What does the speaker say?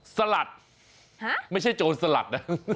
สลัดไม่ใช่โจรสลัดนะ